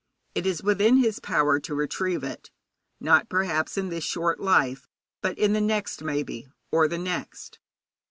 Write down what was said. It is within his power to retrieve it, not perhaps in this short life, but in the next, maybe, or the next.